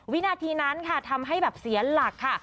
วินาทีนั้นค่ะทำให้แบบเสียหลักค่ะ